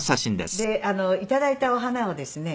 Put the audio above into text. で頂いたお花をですね